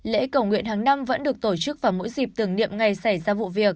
lễ cầu nguyện hàng năm vẫn được tổ chức vào mỗi dịp tưởng niệm ngày xảy ra vụ việc